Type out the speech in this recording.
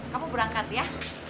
kamu berangkat ya